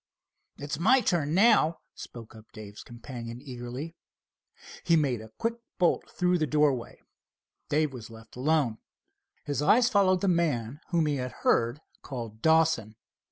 "It's my turn now," spoke up Dave's companion eagerly. He made a quick bolt through the doorway. Dave was left alone. His eyes followed the man whom he had heard called Dawson.